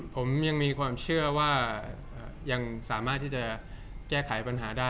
ผมยังมีความเชื่อว่ายังสามารถที่จะแก้ไขปัญหาได้